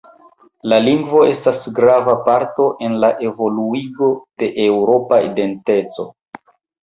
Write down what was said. La lingvo estas grava parto en la evoluigo de eŭropa identeco.